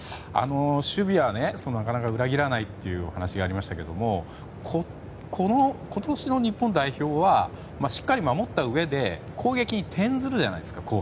守備はなかなか裏切らないっていうお話がありましたが今年の日本代表はしっかり守ったうえで後半に攻撃に転ずるじゃないですか。